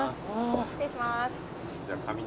失礼します。